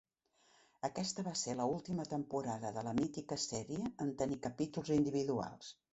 Aquesta va ser la última temporada de la mítica sèrie en tenir capítols individuals.